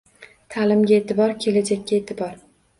Ta’limga e’tibor – kelajakka e’tibor